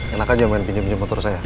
enak aja main pinjam pinjam motor saya